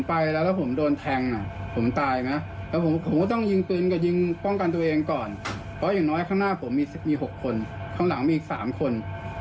เพราะอย่างน้อยข้างหน้าผมมี๖คนข้างหลังมีอีก๓คน